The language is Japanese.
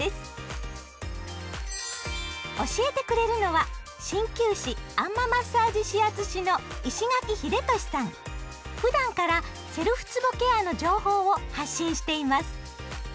教えてくれるのは鍼灸師あん摩マッサージ指圧師のふだんからセルフつぼケアの情報を発信しています。